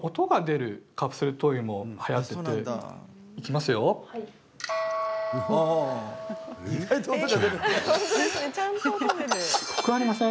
すごくありません？